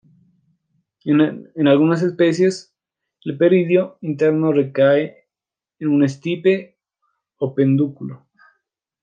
En algunas especies, el peridio interno recae en un estipe o pedúnculo.